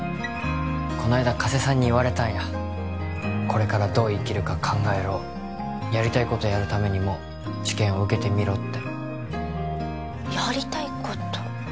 こないだ加瀬さんに言われたんやこれからどう生きるか考えろやりたいことやるためにも治験を受けてみろってやりたいこと？